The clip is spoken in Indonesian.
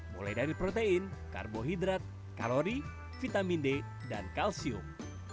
mulai dari protein karbohidrat kalori vitamin d dan kalsium